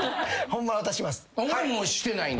ホンマ渡します。